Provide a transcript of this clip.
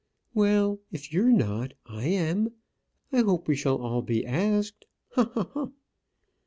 "Well, if you're not, I am. I hope we shall be asked ha! ha! ha!"